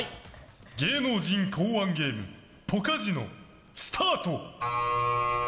芸能人考案ゲームポカジノ、スタート。